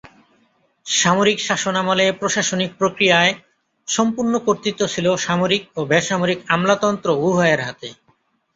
সামরিক শাসনামলে প্রশাসনিক প্রক্রিয়ায় সম্পূর্ণ কর্তৃত্ব ছিল সামরিক ও বেসামরিক আমলাতন্ত্র উভয়ের হাতে।